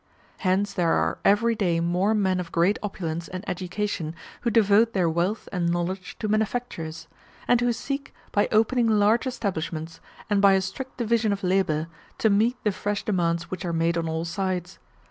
Hence there are every day more men of great opulence and education who devote their wealth and knowledge to manufactures; and who seek, by opening large establishments, and by a strict division of labor, to meet the fresh demands which are made on all sides.